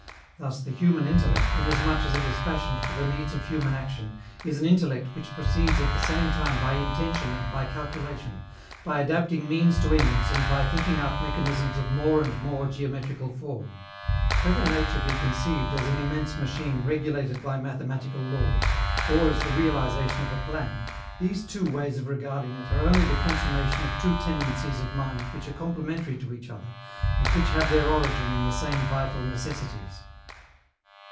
Thus the human intellect, inasmuch as it is fashioned for the needs of human action, is an intellect which proceeds at the same time by intention and by calculation, by adapting means to ends and by thinking out mechanisms of more and more geometrical form. Whether nature be conceived as an immense machine regulated by mathematical laws, or as the realization of a plan, these two ways of regarding it are only the consummation of two tendencies of mind which are complementary to each other, and which have their origin in the same vital necessities.